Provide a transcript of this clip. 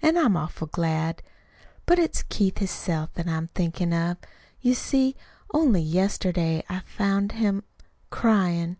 An' I'm awful glad. But it's Keith hisself that I'm thinkin' of. You see, only yesterday I found him cryin'."